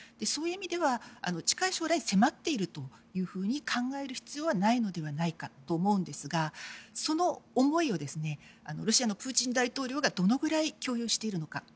そういう意味では近い将来、迫っていると考える必要はないのではないかと思うんですがその思いをロシアのプーチン大統領がどのぐらい共有しているのか。